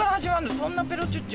そんなペロチュッチュ。